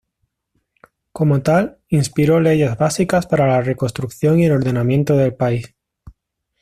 Como tal, inspiró leyes básicas para la reconstrucción y el ordenamiento del país.